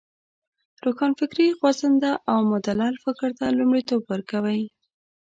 روښانفکري خوځنده او مدلل فکر ته لومړیتوب ورکوی.